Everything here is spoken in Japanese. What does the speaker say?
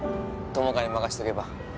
友果に任せとけば